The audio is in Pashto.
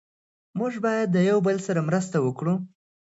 موږ باید د یو بل سره مرسته وکړو.